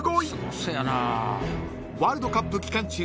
［ワールドカップ期間中］